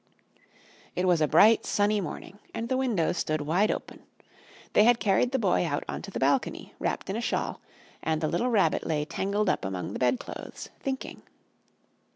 It was a bright, sunny morning, and the windows stood wide open. They had carried the Boy out on to the balcony, wrapped in a shawl, and the little Rabbit lay tangled up among the bedclothes, thinking.